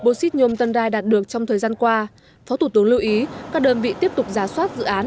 bô xít nhôm tân rai đạt được trong thời gian qua phó thủ tướng lưu ý các đơn vị tiếp tục giá soát dự án